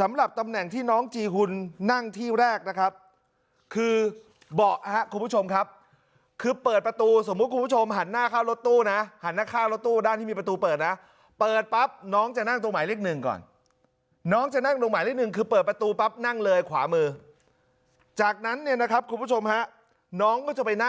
สำหรับตำแหน่งที่น้องจีหุ่นนั่งที่แรกนะครับคือเบาะครับคุณผู้ชมครับคือเปิดประตูสมมุติคุณผู้ชมหันหน้าข้าวรถตู้นะหันหน้าข้าวรถตู้ด้านที่มีประตูเปิดนะเปิดปั๊บน้องจะนั่งตรงหมายเล็กนึงก่อนน้องจะนั่งตรงหมายเล็กนึงคือเปิดประตูปั๊บนั่งเลยขวามือจากนั้นเนี่ยนะครับคุณผู้ชมฮะน้องก็จะไปน